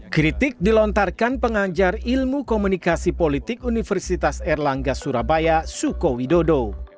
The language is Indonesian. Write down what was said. kritik dilontarkan pengajar ilmu komunikasi politik universitas erlangga surabaya suko widodo